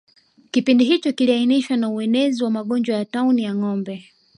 Kipindi hicho kiliainishwa na uenezi wa magonjwa ya tauni ya ngombe